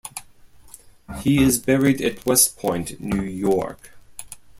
He is buried at West Point, New York.